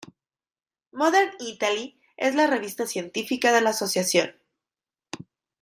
Modern Italy es la revista científica de la Asociación.